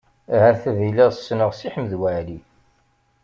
Ahat ad iliɣ ssneɣ Si Ḥmed Waɛli.